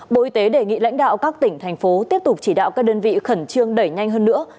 bộ y tế đề nghị lãnh đạo các tỉnh thành phố tiếp tục chỉ đạo các đơn vị khẩn trương đẩy nhanh hơn nữa